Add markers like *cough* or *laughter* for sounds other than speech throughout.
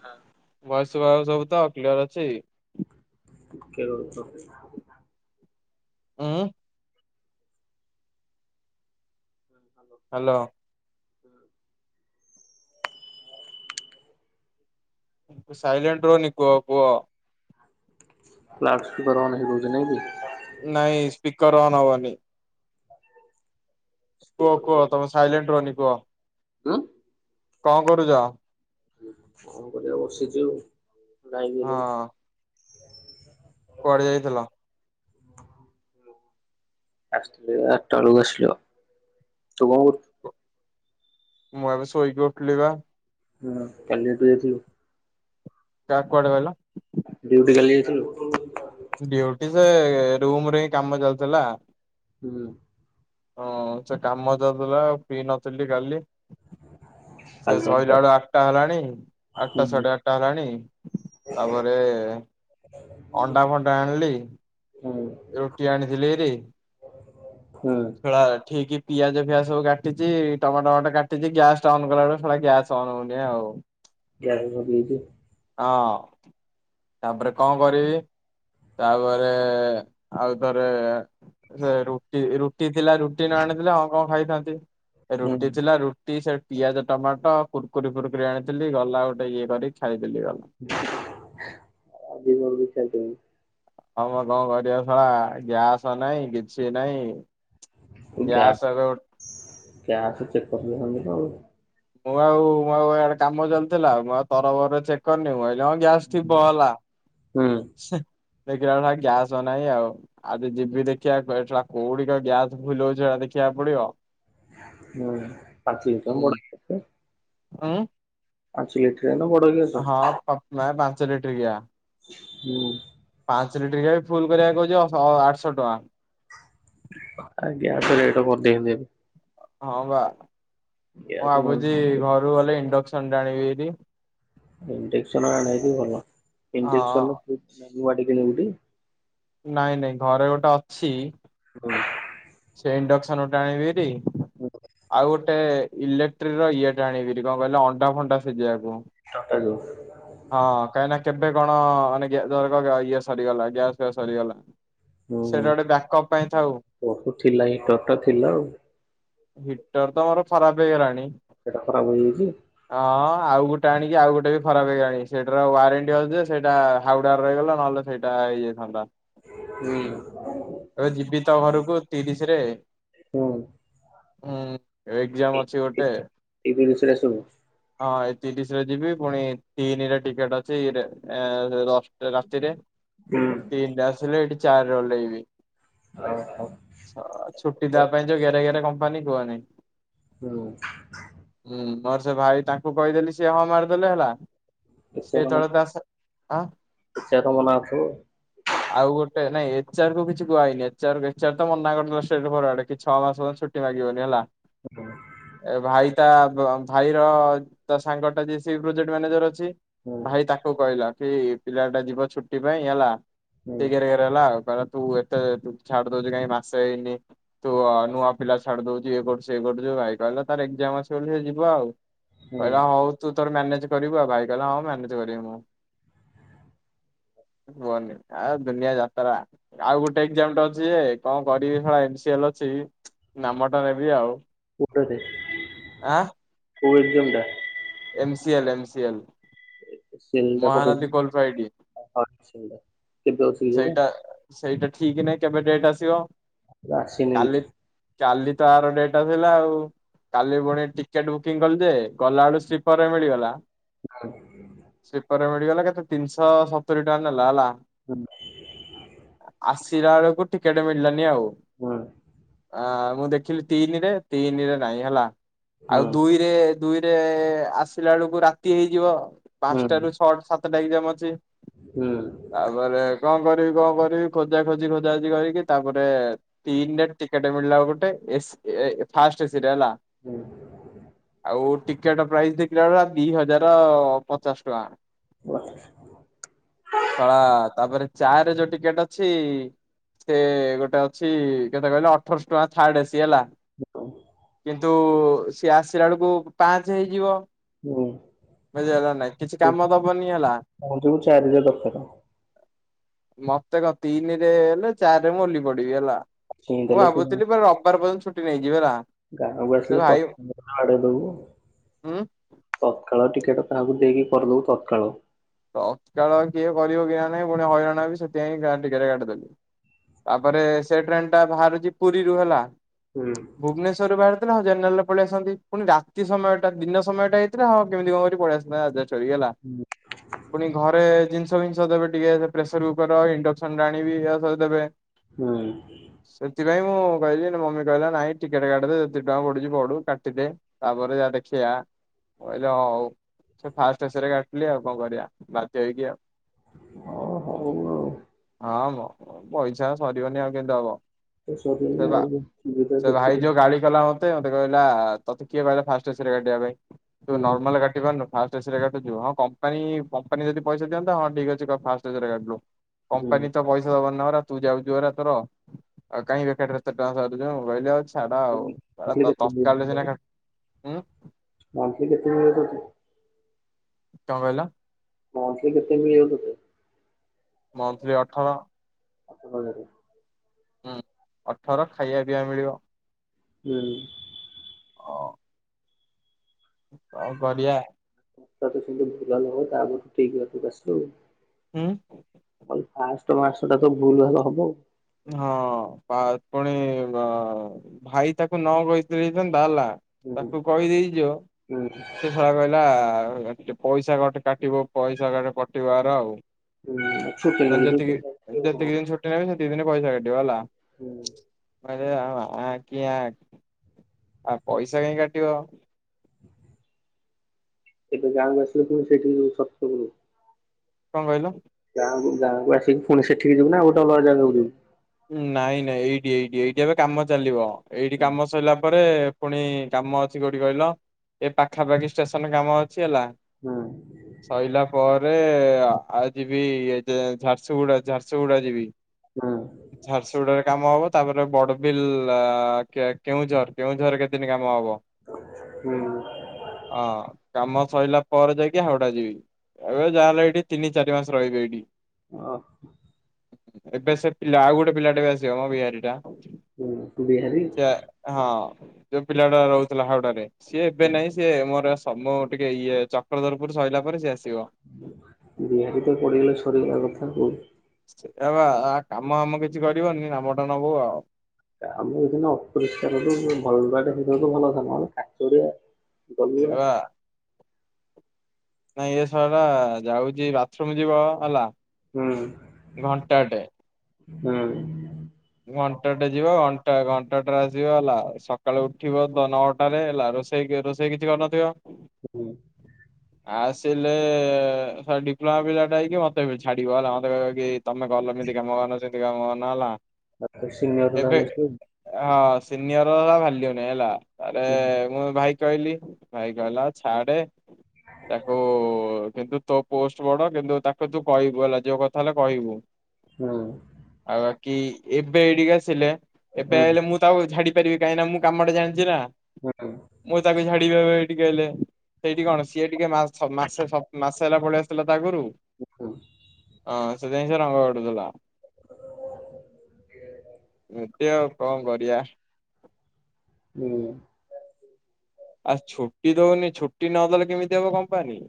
ହଁ। ଭୟସ ଶୁଭା ଯାଉଚି ସବୁ ତ କ୍ଲିୟର ଅଛି? *unintelligible* ହଁ ହଁ। ହୁଁ ହ୍ୟାଲୋ। *inaudible* ସାଇଲଣ୍ଟ ରୁହନୀ କୁହ କୁହ। ଲାଉଡ୍ ସ୍ପିକର୍ ଅନ୍ ହେଇ *unintelligible* ନାଇଁ ସ୍ପିକର୍ ଅନ୍ ହବନି। କୁହ କୁହ ତମେ ସାଇଲେଣ୍ଟ ରହନି କୁହ। ହୁଁ। କଣ କରୁଚ? କଣ କରିବା ବସିଛୁ, ଯାଇଥିଲୁ। ହଁ କୁଆଡେ ଯାଇଥିଲା? ଆଠଟା ବେଳକୁ ଆସିଲୁ, ତୁ କଣ କର ମୁଁ ଏବେ ଶୋଇକି ଉଠିଲି ବା। ହଁ କାଲି ପା ତୁ ଯାଇଥିଲୁ? କାଇଁ କୁଆଡ଼େ କହି ଡୁଟି କାଲି ଯାଇଥିଲୁ? ଡୁଟି ସେ ରୁମ ରେ ହିଁ କାମ ଚାଲିଥିଲା। ହୁଁ। ହଁ ସେ କାମ ଚାଲିଥିଲା ଆଉ ପିଇ ନଥିଲି କାଲି ସେ କାଲି ସରିଲା ତ ବେଳୁ ଆଠଟା ହେଲାଣି, ଆଠଟା ହୁଁ ସାଢେ ଆଠଟା ହେଲାଣି। ତାପରେ ଅଣ୍ଡା ଫଣ୍ଡ ସେ ହୁଁ ରୋଟି ଆଣି ଥିଲି ହେରି ହୁଁ ସେଳା ଠିକି ପିଆଜ ଫିଆଜ ସବୁ କାଟିଚି, ଟମାଟ ଫମାଟୋ କାଟିଚି ଗ୍ୟାସ ଟା ଅନ୍ କଲା ବେଳକୁ ଶଳା ଗ୍ୟାସ ଟା ଅନ୍ ହଉନି ଆଉ। ଗ୍ୟାସ ସରିଯାଇଚି। ହଁ ତାପରେ କଣ କରିବି, ତାପରେ ଆଉ ଥରେ ସେ ରୁଟି ଥିଲା, ରୁଟି ନ ଆଣିଥିଲେ ଆଉ କଣ ଖାଇଥାନ୍ତି। ହୁଁ ରୁଟି ଥିଲା, ରୁଟି ସେ ପିଆଜ, ଟମାଟୋ, କୁର୍କୁରି ଫୁୁରକୁରି, ଆଣିଥିଲି ଗଲା ଗୋଟେ ଇଏ କରି ଖାଇଲି ଆଜି ଜଲଦି ଖାଇଦେଲି। ଆମ, କଣ କରିବା ଶଳା ଗ୍ୟାସ ନା ହିଁ କିଛି ନାହିଁ। ଗ୍ୟା ଗ୍ୟାସ ଏବେ ଗ୍ୟାସ ଚେକ୍ କରିଦେଇଥାନ୍ତ ତ ଆଉ ମୁଁ ଆଉ ମୁଁ ଇଆଡେ କାମ ଚାଲୁଥିଲା, ମୁଁ ଆଉ ତରବରରେ ଚେକ୍ କରିନି ମୁଁ ଆ ହଁ ଗ୍ୟାସ ଠିପ ହେଲା। ହୁଁ ଦେଖିଲା ବେଳକୁ ଭାଇ ଗ୍ୟାସ ନାହିଁ ଆଉ, ଆଉ ଜ ଯିବି ଦେଖିବା ଏ ଏ ଟା କୋଉଠି କଣ ଗ୍ୟାସ ଫୁଲ୍ ହଉଛି! ! ! ! ! ! ! ! ! ! ଦେଖିବା। ଆକୁ ପଡ଼ିବ। ହୁଁ ପାଞ୍ଚ ଲିଟିରିଆ ବଡ ଗ୍ୟାସ। ଉଁ। ପାଞ୍ଚ ଲିଟ୍ରିଆ ନା ବଡ ଗ୍ୟାସ। ହଁ ପା ମା- ପାଞ୍ଚ ଲିଟ୍ରିକିଆ। ହୁଁ। ଦି ଘାଇ ଫୁଲ କରିବାକୁ କହୁଛି ଅ-ସ ଆଠଶହ ଟଙ୍କା। ଆଜ୍ଞା ସେ ରେଟ କରିଦେଇଛନ୍ତି ଏବେ। ହଁ ବା ମୁଁ ଗ୍ୟାସ୍ ଭାବୁଛି ନହେଲେ ଘରୁକୁ ଗଲେ ଇଣ୍ଡକ୍ସନ ଟା ଆଣିବି ହେରି। ଇଣ୍ଡେକସନ ଆଣିବୁ ଯଦି ଭଲ ହଁ ଇଣ୍ଡେକସନ ନୂଆ ଟେ କିଣିବୁ ଟି। ନାଇଁ ନାଇଁ ଘରେ ଗୋଟେ ଅଛି। ହୁଁ। ଇଣ୍ଡକ୍ସନ ଗୋଟା ଆଣିବିରି ଆଉ ଗୋଟେ। ଇଲେକ୍ଟ୍ରି ର ଇଏ ଟା ଆଣିବି ହାରି କଣ କହିଲ ଅଣ୍ଡା ଫଣ୍ଡା ସିଜେଇଆକୁ। ହିଟର ଟା ଯୋଉ। କାହିଁକି ନା କେବେ କଣ ମାନେ ଗ୍ୟା ଧର କ ଇଏ ସରିଗଲା ଗ୍ୟାସ୍ ଫ୍ୟାସ୍ ସରିଗଲା। ହୁଁ ସେଟା ହୁଁ ଗୋଟେ ବ୍ୟାକଅପ୍ ପାଇଁ ଥାଉ। ବହୁତ ଥିଲା ହିଟର ଟା ଥିଲା ଆଉ। ହିଟର ତ ଆମର ଖରାପ ହେଇଗଲାଣି। ସେଇଟା ଖରାପ ହେଇଯାଇଛି। ହଁ ଆଉ ଗୋଟେ ଆଣିକି ଆଉ ଗୋଟେ ବି ଖରାପ ହେଇଗଲାଣି ସେଇଟାର ୱାରେଣ୍ଟି ଅଛି ଯେ ସେଇଟା ହାଉଡା ରେ ରହିଗଲା ନହେଲେ ସେଇଟା। ହେଇ ଯାଇଥନ୍ତା। ହୁଁ। ଯିବି ତ ଘରକୁ ତିରିଶ ରେ। ହୁଁ। ହୁଁ ଏକଜାମ୍ ଅଛି ଗୋଟେ ଏଇ ସେଟା ସବୁ ହଁ। ତିରିଶି ରେ ଯିବି ପୁଣି ତିନିରେ ଟିକେଟ୍ ଅଛି ରେ ର ରାତିରେ ହୁଁ। ତିନିରେ ଆସିଲେ ଏଠି ଚାରିରେ ଓଲେଇବି। *unintelligible* ! ! ! ! ! ! ! ! ! ! ଛୁଟି ଦେବା ପାଇଁ ଯୋଉ ଗେରେ ଗେରେ କମ୍ପାନୀ କୁହନିଁ। ହୁଁ। ମୋର ସେ ଭାଇ ତାଙ୍କୁ କହିଦେଲି ସିଏ ହଁ ମାରିଦେଲେ ହେଲା। ସେ ଏଚାର ତଳେ ତା ସ ଆଁ ଏଚାର ମନା ହଉଥିବ ଆଉ ଗୋଟେ। ନାଇଁ ଏଚ ଆର କୁ କିଛି କୁହା ହେଇନି ଏଚଆର ଫେଚ୍ଆର। ତ ମନା କରିଦେଲେ ଷ୍ଟେଟ ଫରୱାର୍ଡ କି ଛଅ ମାସ ପର୍ଯ୍ୟନ୍ତ ଛୁଟି ମାଗିବନି ହେଲା ହୁଁ ଏ ଭାଇ। ତା ଭାଇର ତା ସାଙ୍ଗଟା ଯେ ସେ ପ୍ରୋଜେକ୍ଟ ମ୍ୟାନେଜର ଅଛି ଭାଇ ହୁଁ ତାକୁ କହିଲା। ସେ ପିଲାଟା ଯିବ ଛୁଟି ପାଇଁ ହେଲା ସେ ଗେରେ ଗେରେ ହେଲା ଆଉ। ତୁ ଏତେ ତୁ ଛାଡି ଦଉଚୁ କାଇଁ। ମାସେ ହେଇନି ତୁ ନୂଆ ପିଲା ଛାଡି ଦଉଚୁ ଇଏ କରୁଛୁ ସିଏ କରୁଛୁ ଭାଇ କହିଲା ତାର ଏକଜାମ୍ ଅଛି ବୋଲି ସେ। ଯିବ ଆଉ ହୁଁ କହିଲା ହଉ ତୁ। ତୋର ମ୍ୟାନେଜ୍ କରିବୁ ଆଉ ଭାଇ କହିଲା ହଉ ମ୍ୟାନେଜ କରିବି ମୁଁ। କୁଅନି ଆଉ ଦୁନିଆ ଯାତରା ଆଉ ଗୋଟେ ଏକଜାମ ଟେ ଅଛି ଯେ। କଣ କରିବି ଶଳା ଏନ ସି ଏଲ ଅଛି ନାମ ଟା ନେବି ଆଉ। କୋଉଟା ବେ ଆଁ କୋଉ ଏକଜାମ ଟା। M C L M C L cell ଟା ମହାନଦୀ ପକେଇଥିଲି କୋଲ ଫ୍ରାଇଡି। ହଁ ସେଲ୍ ଟା। କେବେ ଅଛି କି ସେଇଟା ସେଇଟା ଠିକ ନାଇଁ। କେବେ ଡେଟ ଆସିବ ଆସିନି କାଲି କିଛି କାଲି ତ ଆର ଡେଟ। ଟା ଥିଲା ଆଉ କାଲି ପୁଣି ଟିକେଟ ବୁକିଂ କଲି ଯେ ଗଲା ବେଳୁ ସ୍ଲିପର ରେ ମିଳିଗଲା। ସ୍ଲିପର ମିଳିଗଲା କେତେ ତିନିଶହ ସତୁରି ଟଙ୍କା ନେଲା ହେଲା *unintelligible* ଚିରା ବେଳକୁ ଟିକେଟ ମିଳିଲାନି ଆଉ। ହୁଁ ଆଉ ମୁଁ ଦେଖିଲି ତିନିରେ ତିନିରେ ନାଇଁ ହେଲା ଆଉ ଦୁଇରେ ଦୁଇରେ ଆସିଲା ବେଳକୁ ରାତି ହେଇଯିବ ପାଞ୍ଚଟା ରୁ ଛଟା ସାତଟା ଏକ୍ସାମ ଅଛି। ତାପରେ କଣ କରିବି କଣ କରିବି ଖୋଜା ଖୋଜି ଖୋଜା ଖୋଜି କରିକି ତାପରେ ତିନ ଡେଟ ଟିକେଟ ମିଳିଲା ଗୋଟେ। ଏସ ଏ ଫାଷ୍ଟ ସିଟ୍ ହେଲା। ହୁଁ। ଆଉ ଟିକେଟ ପ୍ରାଇସ୍ ଦେଖିଲା ବେଳକୁ ଦି ହଜାର ପଚାଶ ଟଙ୍କା। ଶଳା ତା ପରେ। ଚାରି ରେ ଯୋଉ ଟିକେଟ ଅଛି ସେ ଗୋଟେ ଅଛି କେତେ କହିଲ ଅଠର ଶହ ଟଙ୍କା ଥାର୍ଡ ଏସି। ହେଲା କିନ୍ତୁ ସିଏ ଆସିଲା ବେଳକୁ ପାଞ୍ଚ ହେଇଯିବ। ହଁ। ବୁଝିହେଲା ନା ନାଇଁ କିଛି କାମ ଦବନି ହେଲା। ଚାରିରେ ଦରକାର। ମତେ କଣ ତିନିରେ ହେଲେ ଚାରିରେ ମୁଁ ଓଲୀ ପଡିବି ହେଲା। ମୁଁ ଛିଇଁଦେଲେ ତୁ ଭାବୁଥିଲି ପା ରବିବାର ପର୍ଯ୍ୟନ୍ତ ଛୁଟି ନେଇଯିବି ହେଲା। ଗାଁକୁ ଆସିଲେ ତ ହାର୍ଡ ଦବୁ। ହୁଁ। ଶଳା ଟିକେଟ କାହାକୁ ଦେଇକି କରିଦବୁ ତତ୍କାଳ। ତତ୍କାଳ କିଏ କରିବ କି ନା ନାଇଁ ପୁଣି ହଇରାଣ ହେବି ସେଥିପାଇଁ ଗାଁ ଟିକେଟ କାଟିଦେଲି ତାପରେ ସେ ଟ୍ରେନ ଟା ବାହାରୁଛି ପୁରୀରୁୁ ହେଲା। ହୁଁ। ଭୁବନେଶ୍ୱରରୁ ବାହାରିଥିଲେ ହଁ ଜେନରାଲରେ ପଳେଇ ଆସିଥାନ୍ତି ପୁଣି ରାତି ସମୟଟା ଦିନ ସମୟଟା ହେଇଥିଲେ ହଁ କେମିତି କଣ କରି ପଳେଇ ଆସିଥାନ୍ତି। ଚରିଗଲା ପୁଣି ଘରେ ଜିନିଷ ଫିନିଷ ଦେବେ ଟିକେ ପ୍ରେସର କୁକର ଇଣ୍ଡକ୍ସନ ଟା ଆାଣିବି ଆଉ ସବୁ ଦେବେ ହଁ। ସେଥିପାଇଁ ମୁଁ କହିଲି ମମି କହିଲା ନାଇଁ ଟିକେଟ କାଟିଦେ ଯେତିକି ଟଙ୍କା ପଡୁଛି ପଡୁ କାଟିଦେ ତାପରେ। ଦେଖିଆ କହିଲ ହଁ ହଉ ସେ ଫାଷ୍ଟ ଶେଷରେ କାଟିଲି ଆଉ କଣ କରିବା ବାଧ୍ୟ ହେଇକି ଆଉ। ହଁ ହଉ ଆଉ। ହଁ ମ ପଇସା ସରିବନି ଆଉ କେମିତି ହବ। ତ ସରିଗଲା ସେପା ଆଉ। ସୁବିଧା ସେ ଭାଇ ଦେଖିଲୁ। ଯୋଉ ଗାଳି କଲା ମତେ ସେ କହିଲା ତତେ କିଏ କହିଲା ଫାଷ୍ଟ ଏସିରେ କାଟିବା ପାଇଁ ତୁ ହୁଁ, ନର୍ମାଲରେ କରିପାରୁନୁ ଫାଷ୍ଟ ଏସି ରେ କାଟୁଚୁ। ହଁ କମ୍ପାନୀ କମ୍ପାନୀ ଯଦି ପଇସା ଦିଅନ୍ତା ହଁ ଠିକ ଅଛି କ ଫାଷ୍ଟ ଗାଡ଼ି। ହୁଁ। କମ୍ପାନୀ ତ ପଇସା ଦବନିନା ପରା ତୁ ଯାଉଛୁ ପରା ତୋର ଆଉ କାଇଁ ବେକାରଟାରେ ଏତେ ଟଙ୍କା ସାରୁଛୁ ମୋବାଇଲ। ତ ଛାଡ ଆଉ ବାଳ ମନ୍ଥଲି କେତେ ମିଳେ ତତ୍କାଳରେ ତୋତେ? ସିନା କରିଥା ମନ୍ଥଲି କେତେ ମିଳୁଛି। କଣ କହିଲ। ମନ୍ଥଲୀ କେତେ ମିଳୁଛି? ମନ୍ଥଲି ଅଠର। ଆପ ବରେ ହୁଁ ଅଠର ଖାଇବା ପିଇବା ମିଳିବ। ହୁଁ ଅ କଣ କରିବା। *unintelligible* ତମ ମାସଟା ତ ହୁଁ ଭୁଲ ଭାଲ ହବ ଆଉ। ହଁ ପା ପୁଣି ଭାଇ ତାକୁ ନ କହିଥିଲେ ହେଇଥାନ୍ତା ହେଲା। ହୁଁ ତାକୁ କହିଦେଇଚ ହୁଁ ସେ ଶଳା କହିଲା ଆ ପଇସା କଟି କାଟିବ ପଇସା କଟିବ ୟାର ଆଉ। ହୁଁ ସେକେଣ୍ଡରେ ମାନେ ଯୋଉ ଯେତିକି ପଇସା ଆସିବ ଯେତିକି ହୁଁ ଦିନ ଛୁଟି ନେବି ହେ ଆ! ! ! ! ! ! ! ! ! ! ପଇସା କାଇଁ କାଟିିବ? ଏବେ ଗାଁ ଆସିଲେ ପୁଣି ସେଇଠି ଯ ସତରୁ କଣ କହିଲ? ଗାଁକୁ ଗାଁକୁ ଆସିକି ପୁଣି ସେଠିକି ଯିବୁ ନା ଆଉ ଗୋଟେ ଅଲଗା ଜାଗାକୁ ଯିବୁ? ନାଇଁ ନାଇଁ ଏଇଠି ଏଇଠି ଏଇଠି ଏବେ କାମ ଚାଲିବ ଏଇଠି ହୁଁ କାମ ସରିଲା ପରେ ରେ ପୁଣି କାମ ଅଛି କୋଉଠି କହିଲ ଏ ପାଖାପାଖି ଷ୍ଟେସନ କାମ ଅଛି ହେଲା ହୁଁ ସଇଲା ପରେ ରେ ଆଉ ଯିବି ଝାରସୁଗୁଡା ଝାରସୁଗୁଡା ଯିବି। ହଁ। ଝାରସୁଗୁଡାରେ କାମ ହବ ତାପରେ ବଡ଼ବିଲ୍ଲା କେଉଁଝର କେଉଁଝର କେତେ ଦିନ କାମ ହବ? *inaudible* ହୁଁ। ହଁ କାମ ସରିଲା ପରେ ଯାଇକି ହାଉଡା ଯିବି। ଏବେ ଯାହାହେଲେ ଏଇଠି ତିନି ଚାରି ମାସ ରହିବେ ଏଇଠି। ଓ ହୋ। ଏବେ ସେ ପିଲା ଆଉ ଗୋଟେ ପିଲାଟା ବି ଆସିବ ମୋ ବିହାରୀ ଟା। ହୁଁ। ବିହାରୀ ସେ ହଁ ଯୋଉ ପିଲା ଟା ରହୁଥିଲା ହାଉଡାରେ ସିଏ ଏବେ ନାହିଁ ସିଏ ମୋର ତମ ଟିକେ ଇଏ ଚକ୍ରଧରପୁର ସଇଲା ପରେ ସିଏ ଆସିବ ବିହାରୀ ତ ପଡି ଗଲେ ସରୀ ଗଲା କଥା ଆଉ। ଏ ବା ଆ କାମ ଆମ କିଛି କରିବନି ନାମଟା ନବୁ ଆଉ। ଆମର ଏଦିନ ଅପରିଷ୍କାରୁ ଭଲଟା ସେଇ ଭଲ କଥା ନହେଲେ କାଚଡିଆ ଏ ଗଲୁଆ ବା ନାଇଁ ଏ! ! ! ! ! ! ! ! ! ! ଟା ଯାଉଛି ବାଥରୁମ ଯିବ ହେଲା ହୁଁ ଘଣ୍ଟାଟେ। ହୁଁ। ଘଣ୍ଟାଟେ ଯିବ ଘଣ୍ଟା ଘଣ୍ଟା ଟା ରେ ଆସିବ ହେଲା ସକାଳୁ ଉଠିବ ନଅଟାରେ ହେଲା। ରୋଷେଇ ରୋଷେଇ କିଛି କରିନଥିବ ହୁଁ। ଆସିଲେ ସାର୍ ଡିପ୍ଲୋମା ପିଲାଟା ହେଇକି ମତେ ଏବେ ଛାଡିବ ହେଲା ମତେ କହିବ କି ତମେ ଗଲନି *unintelligible* ହେଲା ଆ ତ ସିନିୟର ଏବେ ତାହେଲେ। ହଁ ସିନିୟର ଭାଲ୍ୟୁ ନାହିଁ ହେଲା ତାପରେ ମୁଁ ଭାଇ କହିଲି ଭାଇ କହିଲା ଛାଡେ ତାକୁ କିନ୍ତୁ ତୋ ପୋଷ୍ଟ ବଡ କିନ୍ତୁ ତାକୁ ତୁ କହିବୁ ହେଲା ଯୋଉ କଥା ହେଲା କହିବୁ। ହୁଁ ଆଉ ବାକି ଏବେ ଏଠିକି ଆସିଲେ ଏବେ ଆଇଲେ ହୁଁ ମୁଁ ତାକୁ ଝାଡିି ପାରିବି କାହିଁକି ନା ମୁଁ କାମଟା ଜାଣିଛି ନା ହୁଁ। ମୁଁ ତାକୁ ଝାଡି ହଲେ ସେଇଠି କଣ ସିଏ ଟିକେ ମାସ ମାସେ ମାସେ ଛ ହେଲା ପଳେଇ ଆସିଥିଲା ତ ଆଗରୁ ହଁ ସେଥିପାଇଁ ସେ ରଙ୍ଗ କାଢୁ ଥିଲା। ଏବେ ଆଉ କଣ କରିବା? ହୁଁ। ଆଉ ଛୁଟି ଦଉନି ଛୁଟି ନଦେଲେ କେମିତି ହବ କମ୍ପାନୀ?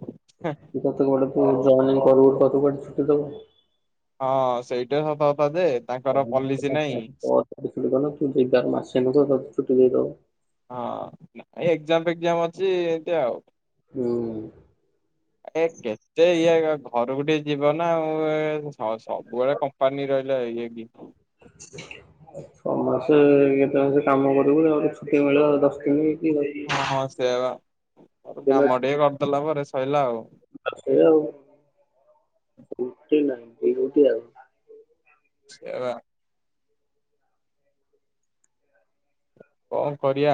ତ ବ ପୁ ଜନିଂ କର କତ ବ ଛୁଟି ଦେବ *unintelligible* *inaudible* ହଁ ସେଇଟା ସତ କଥା ଯେ ତାଙ୍କର ପଲିସି ନାହିଁ। *unintelligible* ମାସେ ଛୁଟି ଦେଇଦବ। ହଁ ଏକ୍ଜାମ ଫେକ୍ଜାମ ଅଛି ଏମତି ଆଉ। ହୁଁ। ଏ କେତେ ଇଏ ଘରକୁ ଟିକେ ଯିବ ନା ଆଉ ସବୁବେଳେ କମ୍ପାନୀ ରହି ଇଏ କି ଛଅ ମାସେ କେତଳେ ମାସ କାମ କରିବୁ *unintelligible* ଛୁଟି ମିଳିବ ଦଶ ଦିନି। ହଁ ହଁ ସେୟାବା। ଉଁ ଉଁ। ସଇଲା ଆଉ। *unintelligible* ସେୟାବା। କଣ କରିବା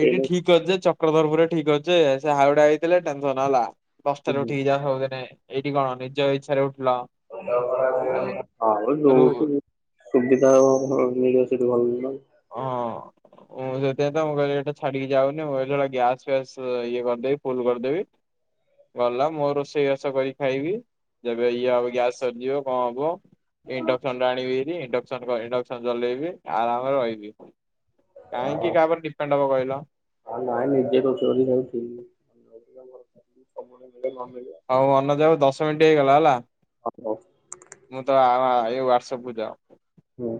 ଏଇଠି ଏଇନେ ହୁଁ, ଠିକ ଅଛି ଚ ଚକ୍ରଧରପୁର ଠିକ ଅଛି ଯେ ସେ ହାଉଡା ହେଇଥିଲେ ଟେନସନ ହେଲା ଦସଟାରେ ଉଠିକି ଜା ସବୁଦିନି ଏଇଠି କଣ ନିଜ ଇଛାରେ ଆଉ ରୁ ଯଉଠି ସୁବିଧା ହବ ମିଳିବ ତୁ ଗଲୁନୁ। ହଁ। ମୁ ସେଥି ପାଈଁ ତ ମୁଁ କିହିଲି ଏଇଟା ଛାଡିକି ଯାଉନି ମୁଁ କହିଲି ଗ୍ୟାସ ପ୍ୟାସ ଇଏ କରିଦେବି ଫୁଲ କରିଦେବି। ଗଲା ମୁଁ ମୋର ରୋଷଇବାସ କରିକି ଖାଇବି। ଯେବେ ଇଏ ହବ ଗ୍ୟାସ ସରିଯିବ କଣ ହବ ଇଣ୍ଡକ୍ସନ ଟା ଆଣିବି ହାରି ଇ ଇଣ୍ଡକ୍ସନ ଚଲେଇବି ଆରାମରେ ରହିବି। କାହିଁକି ଆଉ କାହାପରେ ଡିପେଣ୍ଡ ହବ କହିଲ? ହୁଁ।। *unintelligible* ହଉ ମୋନଜ ବାବୁ ଦଶ ମିନିଟ ହେଇଗଲା ହେଲା ହଁ, ମୁଁ ତ ଆ ଆ ସବୁ ଯାଅ। ହଁ।